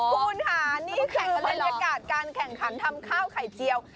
คุณค่ะนี่แข่งกับบรรยากาศการแข่งขันทำข้าวไข่เจียว